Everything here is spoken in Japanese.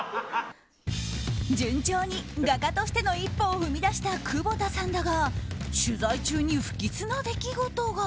順調に画家としての一歩を踏み出した久保田さんだが取材中に不吉な出来事が。